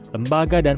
lembaga dan pemerintah